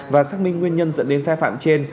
và xác minh nguyên nhân dẫn đến sai phạm trên